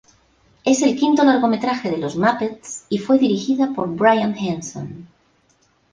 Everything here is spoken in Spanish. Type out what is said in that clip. Es el quinto largometraje de Los Muppets y fue dirigida por Brian Henson.